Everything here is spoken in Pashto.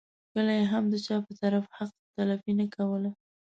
کله یې هم د چا په طرف حق تلفي نه کوله.